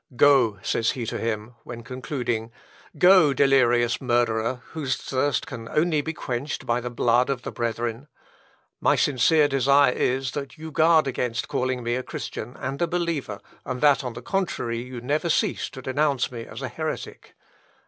"Go," says he to him, when concluding; "go, delirious murderer, whose thirst can only be quenched by the blood of the brethren. My sincere desire is, that you guard against calling me a Christian and a believer, and that, on the contrary, you never cease to denounce me as a heretic.